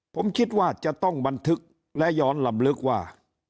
ผมคิดว่าจะต้องบันทึกและย้อนลำลึกว่า